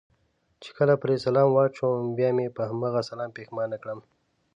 چې کله پرې سلام واچوم بیا مې په هغه سلام پښېمانه کړم.